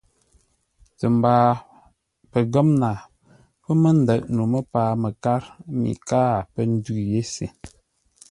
Tə mbaa pəngə́mnaa pə́ mə́ ndə̂ʼ no məpaa məkár mi káa pə́ ndʉ̂ yé se.